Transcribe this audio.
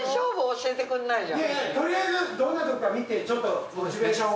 とりあえずどんなところか見てちょっとモチベーションを。